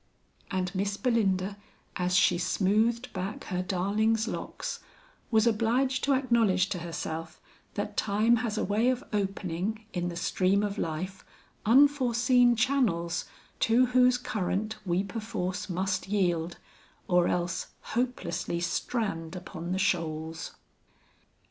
And Miss Belinda, as she smoothed back her darling's locks, was obliged to acknowledge to herself, that time has a way of opening, in the stream of life, unforeseen channels to whose current we perforce must yield, or else hopelessly strand upon the shoals.